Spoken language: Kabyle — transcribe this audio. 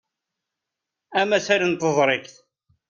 Amasal n teẓrigt.